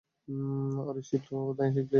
ওরে শিট, কোথায় শিখলে এটা?